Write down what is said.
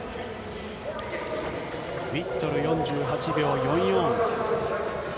ウィットル４８秒４４。